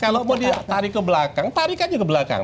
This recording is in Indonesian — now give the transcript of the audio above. kalau mau ditarik ke belakang tarik aja ke belakang